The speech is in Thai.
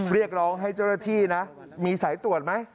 เรียกร้องฮ่ายเจ้ารถที่นะมีสายตรวจไหม